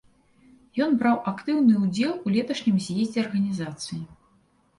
Ён браў актыўны ўдзел у леташнім з'ездзе арганізацыі.